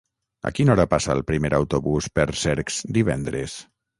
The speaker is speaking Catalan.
A quina hora passa el primer autobús per Cercs divendres?